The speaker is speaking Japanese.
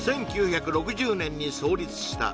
１９６０年に創立した